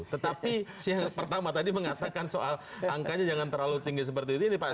tetapi yang pertama tadi mengatakan soal angkanya jangan terlalu tinggi seperti ini pak